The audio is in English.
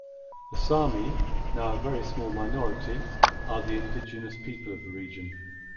The Saami, now a very small minority, are the indigenous people of the region.